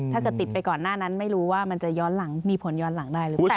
ถ้าเกิดติดไปก่อนหน้านั้นไม่รู้ว่ามันจะย้อนหลังมีผลย้อนหลังได้หรือเปล่า